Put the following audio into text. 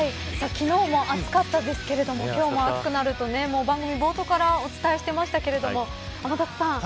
昨日も暑かったですけれども今日も暑くなると番組冒頭からお伝えしてましたけれども天達さん